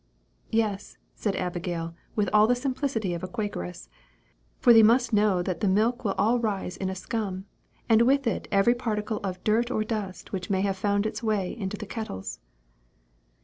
"Yes," said Abigail with all the simplicity of a Quakeress, "for thee must know that the milk will all rise in a scum, and with it every particle of dirt or dust which may have found its way into the kettles."